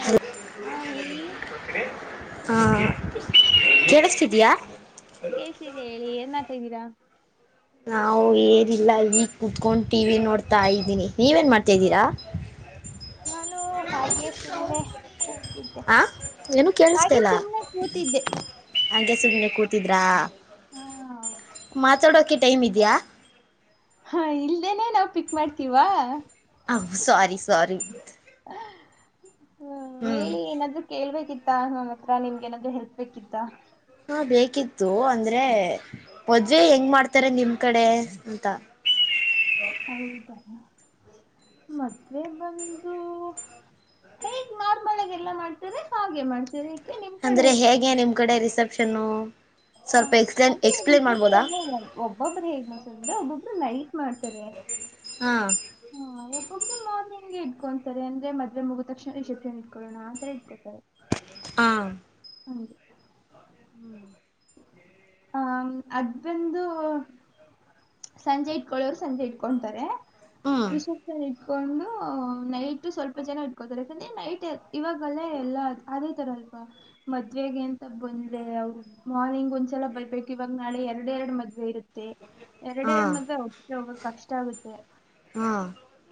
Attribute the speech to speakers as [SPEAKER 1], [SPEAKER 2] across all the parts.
[SPEAKER 1] Hello ಹಾ ಹೇಳಿ ಕಳ್ಸಿದ್ದ ಹೇಳಿ ಏನ್ ಮಾಡ್ತಾಿದ್ದೀರಾ
[SPEAKER 2] ನಾವು ಏರಿಿಲ್ಲ ಈಗ ಕುತ್ಕೊಂಡು ಟಿ ನೋಡ್ತಾ ಇದ್ದೀನಿ ನೀವೇನ್ ಮಾಡ್ತಾ ಇದಿದ್ದೀರಾ [unintelligible] [inaudible]
[SPEAKER 1] ನಾನು....... ಹಾಗೆ ಸುಮ್ಮ್ನೆ ಕೂತಿದ್ದೆ
[SPEAKER 2] ಆ ಏನು
[SPEAKER 1] ಹಾಗೆ
[SPEAKER 2] ಕೇಳಿಸ್ತಿಲ್ಲ
[SPEAKER 1] ಸುಮ್ನೆ ಕೂತಿದ್ದೆ.......
[SPEAKER 2] ಹಂಗೆ ಸುಮ್ನೆ ಕೂತಿದ್ರಾ
[SPEAKER 1] ಹ
[SPEAKER 2] ಮಾತಾಡೋಕೆ ಟೈಮ್ ಇದ್ಯಾ
[SPEAKER 1] ಹಾ ಇಲ್ದೇನೆ ನಾವ್ ಪಿಕ್ ಮಾಡ್ತೀವಾ
[SPEAKER 2] ಆ ಸ್ವಾರಿ ಸ್ವಾರಿ
[SPEAKER 1] ಹ್ಮ.... ಹೇಳಿ ಏನಾದರೂ ಕೇೇಳಬೇಕಿತ್ತು ನಮ್ಮ ಹತ್ರ ನಿಮ್ಗೆ ಏನಾದ್ರೂ ಹೆಲ್ಪ್ ಬೇಕಿತ್ತ [unintelligible]
[SPEAKER 2] ಹಾ ಬೇಕಿತ್ತು.... ಅಂದ್ರೆ್ ಅೇ ಹೆಂಗ್ ಮಾಡ್ತಾರೆ ನಿಮ್ ಕಡೆ ಅಂತ
[SPEAKER 1] ಮದುವೆ... ಬಂದು ಹೇಗ್ ನಾರ್ಮಲ್ ಆಗಿ ಎಲ್ಲಾ ಮಾಡ್ತರಿ ಹಾಗೆ ಮಾಡ್ತೀರಿ
[SPEAKER 2] ಅಂದ್ರೆ ಹೇಗೆ ನಿಮ್ ಕಡೆ ರಿಸೆಪ್ಷನ್....
[SPEAKER 1] ಹಾ
[SPEAKER 2] ಸ್ವಲ್ಪ ಎಕ್
[SPEAKER 1] ಅದೇ ರಿಷೆಪ್ಷನ್ ಒಬ್ಬೊಬ್ಬರು ಹೇಗ್ ಮಾಡಸಂದ್ರೆ ಒಬ್ಬೊಬ್ರು ನೈಟ್ ಮಾಡ್ತಾರೆ.
[SPEAKER 2] ಹಾ ಹ [unintelligible]
[SPEAKER 1] ಒ ಮಾರ್ನಿಂಗ್ಗೆ ಇಟ್ಕೊಂತಾರೆ ಅಂದ್ರೆ ಮದ್ವೆಮುಗದ್ ತಕ್ಷಣ ರಿಸೆಪ್ಷನ್ ಇಟ್ಕೊಳ್ಳೋಣ ಅಂತ ಇಟ್ಕೊಳ್ತಾರೆ
[SPEAKER 2] ಹಾ
[SPEAKER 1] ಹ್ಮ್
[SPEAKER 2] ಹ್ಮ್
[SPEAKER 1] ಹ ಅದಂದು ಸಂಜೆ ಇಟ್ಕೊಳ್ಳೋರು ಸಂಜೆ ಇಟ್ಕೊಂತಾರೆ
[SPEAKER 2] ಹ್ಮ್
[SPEAKER 1] ರಿಸೆಪ್ಷನ್ ಇಟ್ಕೊಂಡು ನೈಟ್ ಸ್ವಲ್ಪ ಜನ ಇಟ್ಕೋತಾರೆ ಯಾಕಂದ್ರೆ ನೈಟ್ ಇವಾಗಲ್ಲ ಎಲ್ಲಾ ಅದೇ ತರ ಹ [unintelligible] ಮದ್ವೆೆಗೆ ಎಂತ ಬಂದ್ರೆ ಅವರು ಮಾರ್ನಿಂಗ್ ಒಂದ್ಸಲ ಬರ್ಬೇಕು ಇವಾಗ ನಾಳೆ ಎರಡು ಎರಡು ಮದ್ವೆ ಇರುತ್ತೆ. ಎರಡ
[SPEAKER 2] ಹಾ
[SPEAKER 1] ಎರಡ ಮದ್ವೆ ಒಟ್ಗೆ ಹೋಗಕ್ಕ ಕಷ್ಟ ಆಗುತ್ತೆ.
[SPEAKER 2] ಹಾ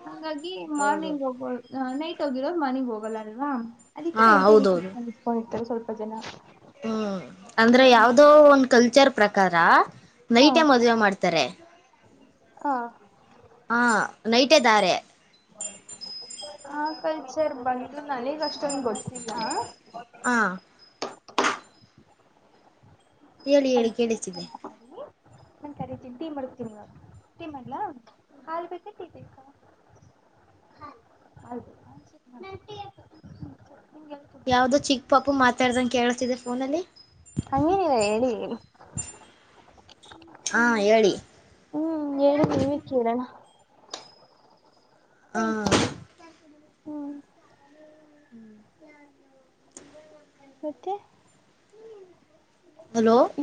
[SPEAKER 1] ಹಂಗಾಗಿ
[SPEAKER 2] ಹೌದು
[SPEAKER 1] ಮಾರ್ನಿಂಗ್ ಹೋಗ್ಬೋದು ನೈಟ್ ಟ ಹೋಗಿರೋರು ಮಾರ್ನಿಂಗ್ ಹೋಗಲ್ಲ ಅಲ್ವಾ ಅದಕ್ಕೆ
[SPEAKER 2] ಹಾ
[SPEAKER 1] ನೈಟೆ
[SPEAKER 2] ಹೌದೌದು
[SPEAKER 1] ರಿಸೆಪ್ಷನ್ ಇಟ್ಕೊಂಡಿರ್ತಾರೆ ಸ್ವಲ್ಪ ಜನ.
[SPEAKER 2] ಹ್ಮ್ ಅಂದ್ರೆ ಯಾವ್ದೋ ಒಂದ್ ಕಲ್ಚರ್. ಪ್ರಕಾರ ನೈಟೇ ಮದುವೆ ಮಾಡ್ತಾರೆ.
[SPEAKER 1] ಹ
[SPEAKER 2] ಹಾ ನೈಟೇ ದಾರೆ.
[SPEAKER 1] ಆ ಕಲ್ಚರ್ ಬಂದು ನನಗ ಅಷ್ಟ ಅಷ್ಟೊಂದ್ ಗೊತ್ತಿಲ್ಲ
[SPEAKER 2] ಹಾ ಹೇಳಿ ಹೇಳಿ
[SPEAKER 1] ಅಡ್ಗೆ
[SPEAKER 2] ಕೇಳಿಸ್ತಿದೆ
[SPEAKER 1] ನಾನ್ ಕರಿತಿನಿ ಟೀ ಮಾಡತಿನಿವಾಗ ಟೀ ಮಾಡ್ಲ ಹಾಲು ಬೇಕ ಟೀ ಬೇಕ. ಹಾಲು ಹಾಲ ಬೇಕಾ ಸರಿ ಮಾಡ್ತೀನಿ ನಂಗ ಟೀ ಬೇಕು.
[SPEAKER 2] ಯಾವ್ದೋ ಚಿಕ್ಕ ಪಾಪು ಮಾತಾಡ್ದಂಗ ಕೇಳಿಸತಿದೆ ಫೋನಲ್ಲಿ.
[SPEAKER 1] ಹಂಗೇನಿಲ್ಲ ಹೇಳಿ ಹೇಳಿ.
[SPEAKER 2] ಹಾ ಹೇಳಿ
[SPEAKER 1] ಹ್ಮ್ ಹೇಳಿ ನೀವೆ ಕೇಳೋಣ.
[SPEAKER 2] ಹ
[SPEAKER 1] ಹ್ಮ್ ಮತ್ತೆ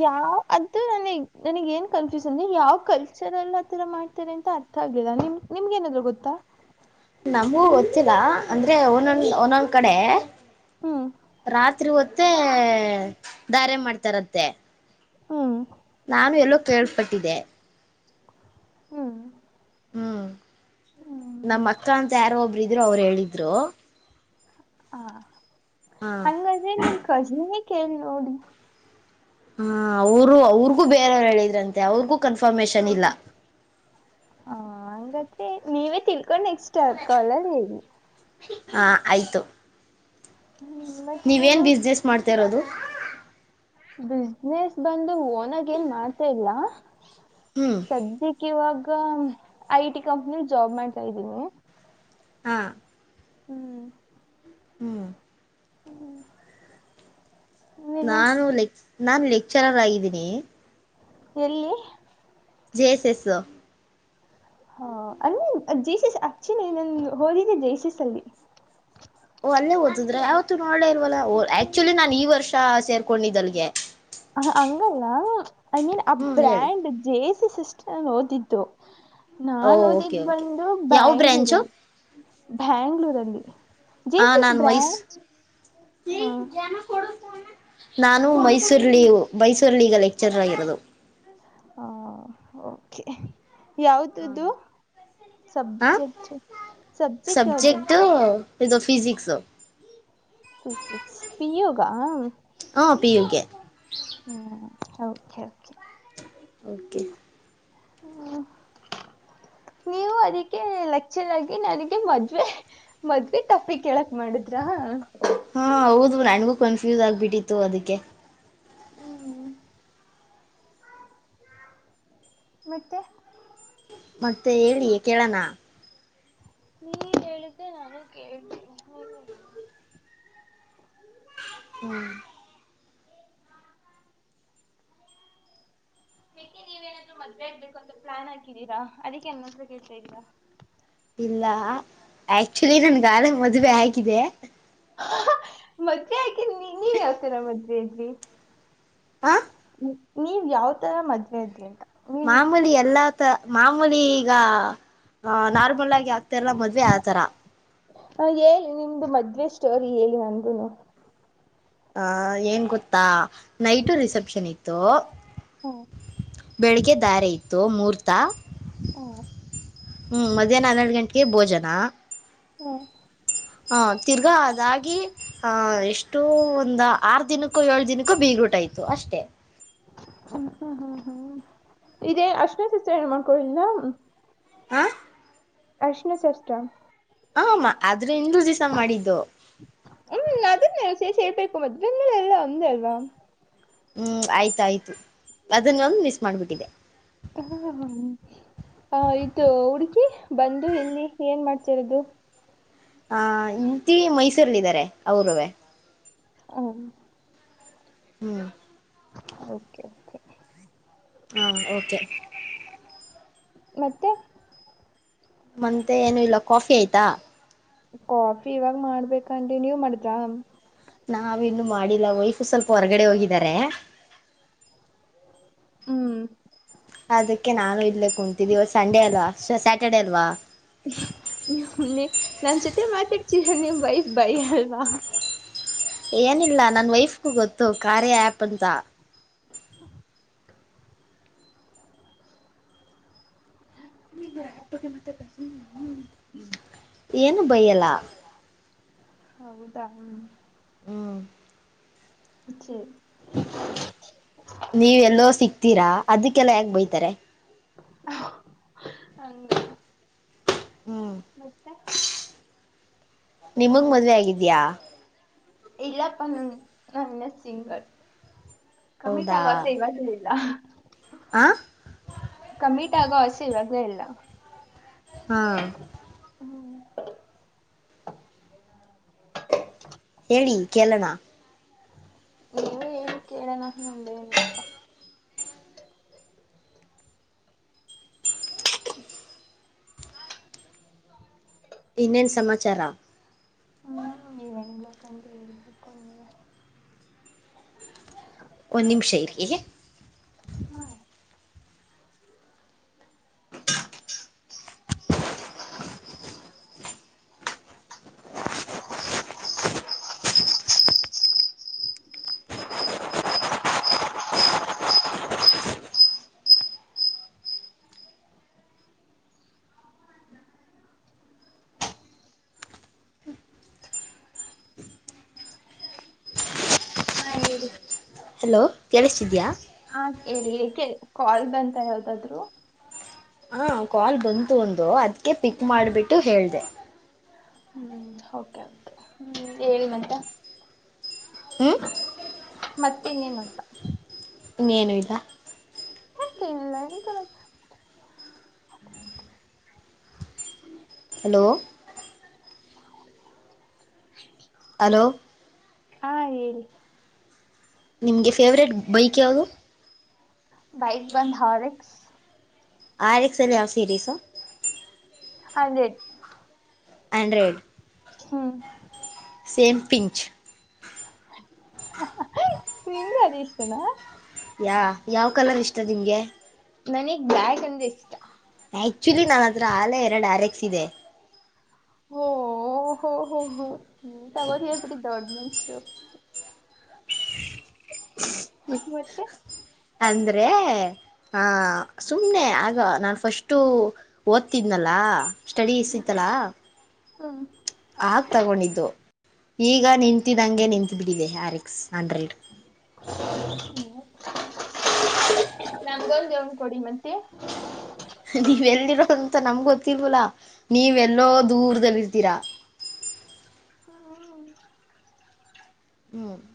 [SPEAKER 1] ಯಾವ ಅದ
[SPEAKER 2] ಹ [inaudible]
[SPEAKER 1] ನನಗ ಏನ್ ಕನ್ಫ್ಯೂಷನ್ ಅಂದೆ ಯಾವ್ ಕಲ್ಚರ್ ಅಲ್ಲಿ ಆಥರ ಮಾಡ್ತಾರೆ ಅಂತ ಅರ್ಥ ಆಗಲಿಲ್ಲ ನಿಮ್ ನಿಮ್ಗ ಏನಾದ್ರೂ ಗೊತ್ತಾ.
[SPEAKER 2] ನಮಗೂ ಗೊತ್ತಿಲ್ಲ ಅಂದ್ರೆ ಒನೊಂದ ಒನೊಂದ್ ಕಡೆ.
[SPEAKER 1] ಹ್ಮ್
[SPEAKER 2] ರಾತ್ರಿ ಹೊತ್ತೇ ದಾರೆ ಮಾಡ್ತಾರತ್ತೆ.
[SPEAKER 1] ಹ್ಮ್
[SPEAKER 2] ನಾನು ಎಲ್ಲೋ ಕೇಳ್ಪಟ್ಟಿದ್ದೆ.
[SPEAKER 1] ಹ್ಮ್
[SPEAKER 2] ಹ್ಮ್ ನಮ್ಮಕ್ಕ ಅಂತ ಯಾರೋ ಒಬ್ರು ಇದ್ರು ಅವ್ರು ಹೇಳಿದ್ರು.
[SPEAKER 1] ಹಾ
[SPEAKER 2] ಹಾ
[SPEAKER 1] ಹಂಗಾದ್ರೆ ನಿನ್ ಕಸಿನ್ನೇ ಕೇಳ ನೋಡಿ.
[SPEAKER 2] ಹ್ಮ ಅವರು ಅವ್ರಗೂ ಬೇರೆಯವ್ರು ಹೇಳಿದ್ರಂತೆ ಅವ್ರಗೂ ಕನ್ಫರ್ಮೇಶನ್ ಇಲ್ಲ.
[SPEAKER 1] ಹ ಹಂಗಾದೆ ನೀವೇ ತಿಳ್ಕೊಂಡ್ ನೆಕ್ಸ್ಟ್ ಕಾಲಲ್ಲಿ ಹೇಳಿ.
[SPEAKER 2] ಹಾ ಆಯ್ತು
[SPEAKER 1] ಹ್ಮ್
[SPEAKER 2] ನೀವೇನ್
[SPEAKER 1] ಮತ್ತಿನ್ನೇನು
[SPEAKER 2] ಬಿಸ್ನೆಸ್ ಮಾಡ್ತಾ ಇರೋದು.
[SPEAKER 1] ಬಿಸ್ನೆಸ್ ಬಂದು ಓನಾಗ ಏನ್ ಮಾಡ್ತಾ ಇಲ್ಲ.
[SPEAKER 2] ಹ್ಮ್
[SPEAKER 1] ಸದ್ಯಕ್ಕ ಇವಾಗ. ಗ ಐಟಿ ಕಂಪನಿಲ್ ಜಾಬ್ ಮಾಡ್ತಾ ಇದ್ದೀನಿ.
[SPEAKER 2] ಹಾ
[SPEAKER 1] ಹ್ಮ್
[SPEAKER 2] ಹ್ಮ್
[SPEAKER 1] ಹ್ಮ್
[SPEAKER 2] ನಾನು ಲೆಕ್ ನಾನು ಲೆಕ್ಚರರ್ ಆಗಿದ್ದೀನಿ.
[SPEAKER 1] ಎಲ್ಲಿ
[SPEAKER 2] ಜೇ ಎಸ್ ಎಸ್ಸು.
[SPEAKER 1] ಹಾ ಅಲ್ಲಿ ಜೇಸಸ್ ಅಚ್ಚೆನ ಏನ್ [unintelligible] ಹಓದಿದ್ದೆ ಜೇಸಸ್ ಅಲ್ಲಿ
[SPEAKER 2] ಓ ಅಲ್ಲೇ ಓದದ್ರಾ ಯಾವತ್ತು ನೋಡ್ಲೇ ಇಲ್ವಲ್ಲ ಆಕ್ಚುಲಿ ನಾನ್ ಈ ವರ್ಷ ಸೇರ್ಕೊಂಡಿದ್ದಲ್ಗೆ.
[SPEAKER 1] ಹಂಗಲ್ಲ ಐ ಮೀನ್ ಆ
[SPEAKER 2] ಹ್ಮ್ ಹೇಳಿ
[SPEAKER 1] ಬ್ರಾಂಡ್ ಜೇ ಸಿಸ್ಟರ್ ಓದಿದ್ದು ನಾ
[SPEAKER 2] ಓ ಓಕೆ
[SPEAKER 1] ಓದಿದ್ದ
[SPEAKER 2] ಓಕೆ
[SPEAKER 1] ಬಂದು
[SPEAKER 2] ಯಾವ ಬ್ರ್ಯಾಂಚು
[SPEAKER 1] ಬ್ಯಾಂಗ್ಳೂರಲ್ಲಿ. ಬ್ಯಾಂಗ್ಳೂರಲ್ಲಿ
[SPEAKER 2] ಹಾ
[SPEAKER 1] ಜೇಸ ಎಸ್
[SPEAKER 2] ನಾನು ಮೈಸ್
[SPEAKER 1] ಬ್ರ್ಯಾಂಚ್ ಹ.
[SPEAKER 2] ನಾನು
[SPEAKER 1] ಹ್ಮ್
[SPEAKER 2] ಮೈಸೂರ್ಲಿ ಮೈಸೂರ್ಲ್ಲಿ ಈಗ ಲೆಕ್ಚರರ್ ಆಗಿರೋದು
[SPEAKER 1] ಆ ಓಕೆ ಯಾವ್ದದು
[SPEAKER 2] ಹಾ
[SPEAKER 1] ಸಬ್ಜೆಕ್ಟ್ ಸಬ್ಜೆಕ್ಟ್ ಯಾವ್ದ
[SPEAKER 2] ಇದು ಫಿಜಿಕ್ಸ
[SPEAKER 1] ಪಿ ಯುಗ
[SPEAKER 2] ಹಾ ಪಿ ಯುಗೆ
[SPEAKER 1] ಓಕೆ ಓಕೆ
[SPEAKER 2] ಓಕೆ
[SPEAKER 1] ಹ್ಮ ನೀವು ಅದಕ್ಕೆ ಲೆಕಚರಾಗಿ ನನಗೆ ಮದ್ವೆ ಮದ್ವೆ ಟಾಪಿಕ ಹೇಳಕ್ ಮಾಡಿದ್ರ
[SPEAKER 2] ಹಾ ಹೌದು ನನಗೂ ಕನ್ಫ್ಯೂಸ್ ಆಗ್ಬಿಟ್ಟಿತ್ತು ಅದಕ್ಕೆ
[SPEAKER 1] ಹ್ಮ್ ಮತ್ತೆ
[SPEAKER 2] ಮತ್ತೆ ಹೇಳಿ ಕೇಳಣ
[SPEAKER 1] ನೀವ ಹೇಳದ್ರೆ ನಾನು ಕೇಳ್
[SPEAKER 2] ಹ್ಮ್
[SPEAKER 1] ಏಕೆ ನೀವೇಏನಾದ್ರರು ಮದ್ವೆ ಆಗ್ಬೇಕು ಅಂತ ಪ್ಲಾನ್ ಹಾಕಿದ್ದೀರಾ ಅದಕ್ಕೆೇ ನನ್ನತ್ರ ಕೇಳ್ತಾ ಇದಿರಾ
[SPEAKER 2] ಇಲ್ಲ ಆಕ್ಚುಲಿ ನನ್ಗಾಲ ಮದುವೆ ಹಾಗಿದೆ
[SPEAKER 1] ಮದ್ವೆ ಯಾಕೆ ನೀ ನೀನ್ ಯಾವತೀರ ಮದುವೆ ಆದ್ರಿ
[SPEAKER 2] ಆ
[SPEAKER 1] ನೀವ್ ಯಾವ ತರ ಮದ್ವೆ ಆದರಿ ಅಂತ ನೀವ್
[SPEAKER 2] ಮಾಮೂಲಿ ಎಲ್ಲಾ ತ ಮಾಮೂಲಿ ಈಗ ಆ ನಾರ್ಮಲ್ ಆಗಿ ಆಗ್ತರ್ಲ್ಲ ಮದ್ವೆ ಆತರ
[SPEAKER 1] ಹ ಹೇಳಿ ನಿಮ್ದು ಮದ್ವೆ ಸ್ಟೋರಿ ಹೇಳಿ ನಗೂನು
[SPEAKER 2] ಹ ಏನ್ ಗೊತ್ತಾ ನೈಟು ರಿಸೆಪ್ಷನ್ ಇತ್ತು
[SPEAKER 1] ಹ್ಮ್
[SPEAKER 2] ಬೆಳಿಗ್ಗೆ ದಾರೆ ಇತ್ತು ಮೂಹರ್ತ
[SPEAKER 1] ಹ್ಮ್
[SPEAKER 2] ಹ್ಮ್ ಮಧ್ಯಾಹ್ನ ಹನ್ನೆರಡ ಗಂಟೆಗೆ ಭೋಜನ
[SPEAKER 1] ಹ್ಮ್
[SPEAKER 2] ಹ ತಿರ್ಗಾ ಅದಾಗಿ ಆಹ ಎಷ್ಟು ಒಂದ ಆರ್ ದಿನಕ್ಕೂ ಏಳ್ ದಿನಕ್ಕೂ ಬೀಗ ಊಟ್ ಇತ್ತು ಅಷ್ಟೇ
[SPEAKER 1] ಅಶ್ವ ಸಿಸತ್ರ ಏನ್ ಮಾಡ್ಕಳಿಂದ [unintelligible]
[SPEAKER 2] ಹಾ
[SPEAKER 1] ಅರಿಶಿಣ ಶಾಸ್ತ್ರ
[SPEAKER 2] ಹ ಅದ್ರ ಇಂದಲ ದಿವ್ಸ ಮಾಡಿದ್ದು
[SPEAKER 1] ಹ್ಮ್ ಅದನ್ನೇ ಸೇರಿಸಿ ಹೇಳಬೇಕು ಅದನ್ನೇ ಎಲ್ಲ ಒಂದೇ ಅಲ್ವಾ
[SPEAKER 2] ಹ್ಮ್ ಆಯ್ತಾಯ್ತು ಅದನ್ನೊಂದು ಮಿಸ್ ಮಾಡ್ಬಿಟ್ಟಿದೆ
[SPEAKER 1] ಹ ಅದು ಇದು ಬಂದು ಎಲ್ಲಿ ಏನ್ ಮಾಡ್ತಿರೋದು
[SPEAKER 2] ಹ ಹೆಂಡತಿ ಮೈಸೂರ್ಲ್ಲ ಇದಾರೆ ಅವ್ರವೇ
[SPEAKER 1] ಹ
[SPEAKER 2] ಹ್ಮ್
[SPEAKER 1] ಓಕೆ ಓಕೆ
[SPEAKER 2] ಹಾ ಓಕೆ
[SPEAKER 1] ಮತ್ತೆ
[SPEAKER 2] ಮತ್ತೆ ಏನು ಇಲ್ಲ ಕಾಫಿ ಆಯ್ತಾ
[SPEAKER 1] ಕಾಫಿ ಇವಾಗ ಮಾಡ್ಬೇಕಂಡಿ ನೀವ್ ಮಾಡದ್ರಾ
[SPEAKER 2] ನಾವಿನ್ನು ಮಾಡಿಲ್ಲ ವಯ್ಫು ಸ್ವಲ್ಪ ಹೊರಗಡೆ ಹೋಗಿದಿದ್ದಾರೆ
[SPEAKER 1] ಹ್ಮ್
[SPEAKER 2] ಅದಕ್ಕೆ ನಾನು ಇಲ್ಲೇ ಕುಂತಿದ್ದಿವತ್ತು ಸಂಡೇ ಅಲ್ವಾ ಸ್ಯಾಟರ್ಡೇ ಅಲ್ವಾ
[SPEAKER 1] ನೀ ನನ್ ಜೊತೆ ಮಾತಾಡ್ತೀ ನೀಮ್ಮ ವೈಪ ಬೈ ಅಲ್ವಾ
[SPEAKER 2] ಏನಿಲ್ಲ ನನ್ ವೈಫ್ಗೂ ಗೊತ್ತು ಕಾರ್ಯ ಆ್ಯಪ್ ಅಂತ ಏನು ಬೈಯಲ್ಲ
[SPEAKER 1] ಹೌದಾ.
[SPEAKER 2] ಹ್ಮ್.
[SPEAKER 1] ಚೈ.
[SPEAKER 2] ನೀವ ಎಲ್ಲೋ ಸಿಕ್ತೀರಾ ಅದಕ್ಕೆಲ್ಲ ಯಾಕ ಬಯತಾರೆ.
[SPEAKER 1] ಹಂಗ.
[SPEAKER 2] ಹ್ಮ್
[SPEAKER 1] ಮತ್ತೆ.
[SPEAKER 2] ನಿಮಗ್ ಮದ್ವೆ ಆಗಿದ್ಯಾ.
[SPEAKER 1] ಇಲ್ಲಪ್ಪ ನಾ ಇನ್ನ ಸಿಂಗಲ್. ಕಮಿಟ್
[SPEAKER 2] ಹೌದಾ
[SPEAKER 1] ಆಗೋ ಆಸೆ ಇವಾಗಲಿಲ್ಲ.
[SPEAKER 2] ಹ.
[SPEAKER 1] ಕಮ್ಮಿಟ್ ಆಗೋ ಆಸೆ ಇವಾಗ ಇಲ್ಲ.
[SPEAKER 2] ಹಾ.
[SPEAKER 1] [inaudible]
[SPEAKER 2] ಹೇಳಿ ಕೇಳಣ.
[SPEAKER 1] ನೀವು ಹೇಳಿ ಕೇಳೋಣ ನಮ್ದೇನೀಲ್ಲ.
[SPEAKER 2] [inaudible] ಇನ್ನೇನ್ ಸಮಾಚಾರ.
[SPEAKER 1] ಬಕ ನೀ [inaudible]
[SPEAKER 2] ಒಂದ್ ನಿಮಿಷ ಇರಿ. [inaudible]
[SPEAKER 1] ಹಾ ಹೇಳಿ
[SPEAKER 2] ಹಲೋ ಕೇಳಿಸ್ತಿದ್ಯಾ
[SPEAKER 1] ಹ ಹೇಳಿ. ಕಾಲ್ ಬಂತ ಯಾವ್ದಾದ್ರೂ.
[SPEAKER 2] ಹ ಕಾಲ್ ಬಂತು ಒಂದು ಅದಕ್ಕೆ ಪಿಕ್ ಮಾಡಿಬಿಟ್ಟು ಹೇಳಿದೆ.
[SPEAKER 1] ಹ್ಮ್ ಓಕೆ ಓಕೆ ಹ್ಮ್ ಹೇಳಿ ಮತ್ತೆ.
[SPEAKER 2] ಹ್ಮ.
[SPEAKER 1] ಮತ್ತೆ ಇನ್ನೇನು.
[SPEAKER 2] ಇನ್ನೇನು ಇಲ್ಲ.
[SPEAKER 1] ಮತ್ತೆನಿಲ್ಲ.
[SPEAKER 2] ಹಲೋ. ಹಲೋ
[SPEAKER 1] ಹಾ ಹೇಳಿ.
[SPEAKER 2] ಹೇಳು.
[SPEAKER 1] ಬೈಕ್ ಬಂದ್ ಹಾರಿಕ್ಸ್.
[SPEAKER 2] ಹಾರಿಕ್ಸಲ್ಲಿ ಯಾವ ಸೀರೀಸು.
[SPEAKER 1] ಹಂಡ್ರೆಡ್.
[SPEAKER 2] ಹಂಡ್ರೆಡ್.
[SPEAKER 1] ಹ್ಮ್.
[SPEAKER 2] ಸೇಂಪಿಂಚ್.
[SPEAKER 1] ನಿಂಗ ಅದ ಇಷ್ಟನಾ.
[SPEAKER 2] ಯ ಯಾವ್ ಕಲರ್ ಇಷ್ಟ ನಿಮ್ಗೆ.
[SPEAKER 1] ನನಗ್ ಬ್ಯಾಟ್ ಅಂದ್ರೆ ಇಷ್ಟ.
[SPEAKER 2] ಆಕ್ಚುಲಿ ನಾನ ಹತ್ರ ಅಲ್ರೆಡಿ ಎರಡು ಆರೆಕ್ಸ್ ಇದೆ.
[SPEAKER 1] ಹ ಹ ಹ ತಗ ಪ ದಡ್ ಮಸ. ಮತ್ತೆ.
[SPEAKER 2] ಅಂದ್ರೆ ಆ..... ಸುಮ್ನೆ ಆಗ ನಾ ಫಸ್ಟು. ಓದ್ತಿದ್ನಲ್ಲಾ.... ಸ್ಟಡಿಸ್ ಇತ್ತಲಾ.
[SPEAKER 1] ಹಾ
[SPEAKER 2] ಆಗ್ ತಗೊಂಡಿದ್ದು ಈಗ ನಿಂತಿದ್ದಂಗೆ ನಿಂತು ಬಿಟ್ಟಿದೆ ಆರಿಕ್ಸ್ ಅಂಡ್ರಡ್.
[SPEAKER 1] ನಂಗೆ.... ಒಂದ್ ಕೊಡಿ ಮತ್ತೆ.
[SPEAKER 2] ನೀವೆಲ್ಲಿರೋ ಅಂತ ನಮ್ ಗೊತ್ತಿಲ್ವಲಾ ನೀವೆಲ್ಲೋ ದೂರದಲ್ಲಿ ಇರ್ತೀರಾ.
[SPEAKER 1] [inaudible]
[SPEAKER 2] ಹ್ಮ್ [unintelligible]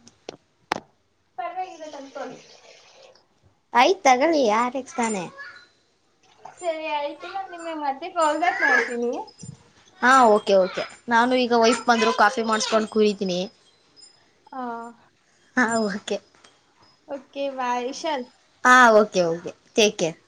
[SPEAKER 1] ಪರ್ವಾಗಿಲ್ಲ ತಂದು ಕೊಡಿ [unintelligible] [inaudible]
[SPEAKER 2] ಆಯ್ತತ್ ತಗೊಳ್ಳಿ ಯಾರಗ್ ತಾನೆ.
[SPEAKER 1] ಸರಿ ಆಯತು ನಾನು ನಿಮಗೆ ಮತ್ತೆ ಕಾಲ್ ಬ್ಯಾಕ್ ಮಾಡ್ತೀನಿ.
[SPEAKER 2] ಹಾ, ಓಕೆ -ಓಕೆ ನಾನು ಈಗ ವೈಫ್ ಬಂದರು ಕಾಫಿ ಮಾಡಿಸಕೊಂಡು ಕೂಡಿತೀನಿ.
[SPEAKER 1] ಹಾ
[SPEAKER 2] ಹಾ,. ಓಕೆ
[SPEAKER 1] ಓಕೆಬಾಯ್ ಉಷಾರು.
[SPEAKER 2] ಹಾ ಓಕೆ ಓಕೆ ಟೇಕ್ ಕೇರ್